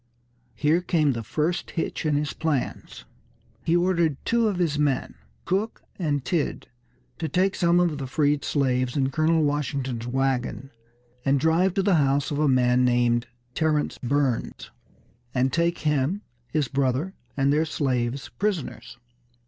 Here came the first hitch in his plans. He ordered two of his men, Cook and Tidd, to take some of the freed slaves in Colonel Washington's wagon, and drive to the house of a man named Terrence Burns, and take him, his brother and their slaves prisoners.